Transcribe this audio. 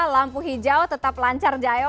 lampu hijau tetap lancar jayo